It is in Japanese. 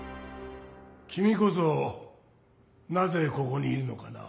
きみこそなぜここにいるのかな？